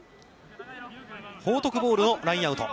報徳ボールのラインアウト。